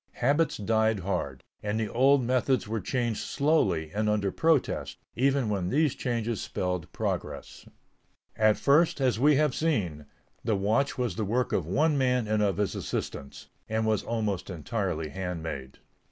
Habits died hard, and the old methods were changed slowly and under protest, even when these changes spelled progress. At first, as we have seen, the watch was the work of one man and of his assistants, and was almost entirely handmade.